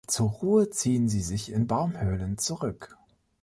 Zur Ruhe ziehen sie sich in Baumhöhlen zurück.